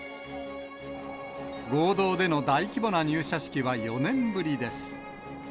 合同での大規模な入社式は４年ぶりです。